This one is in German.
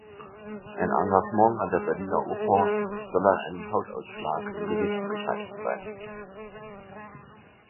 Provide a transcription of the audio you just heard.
Ein Engagement an der Berliner Oper soll an einem Hautausschlag im Gesicht gescheitert sein.